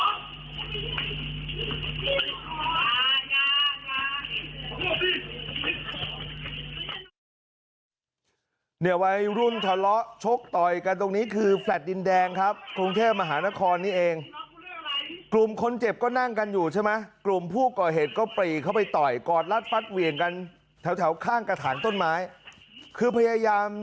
เนี่ยวัยรุ่นทะเลาะชกต่อยกันตรงนี้คือแฟลต์ดินแดงครับกรุงเทพมหานครนี้เองกลุ่มคนเจ็บก็นั่งกันอยู่ใช่ไหมกลุ่มผู้ก่อเหตุก็ปรีเข้าไปต่อยกอดรัดฟัดเหวี่ยงกันแถวแถวข้างกระถางต้นไม้คือพยายาม